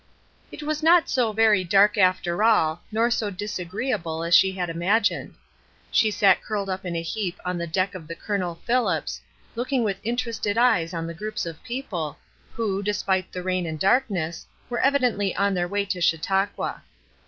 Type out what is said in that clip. It was not so very dark after all, nor so disagreeable as she had imagined. She sat curled up in a heap on the deck of the Col. Phillips, looking with interested eyes on the groups of people, who, despite the rain and darkness, were evidently on their way to Chautauqua.